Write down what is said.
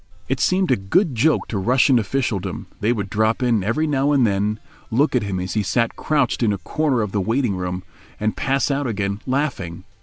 It seemed a good joke to Russian officialdom; they would drop in every now and then, look at him as he sat crouched in a corner of the waiting room, and pass out again, laughing.